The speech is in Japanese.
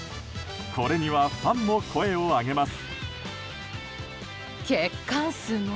これにはファンも声を上げます。